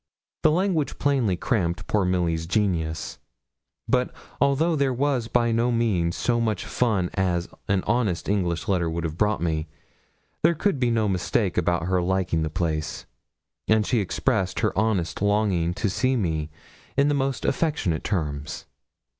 The language plainly cramped poor Milly's genius; but although there was by no means so much fun as an honest English letter would have brought me, there could be no mistake about her liking the place, and she expressed her honest longing to see me in the most affectionate terms.